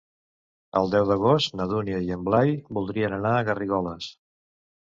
El deu d'agost na Dúnia i en Blai voldrien anar a Garrigoles.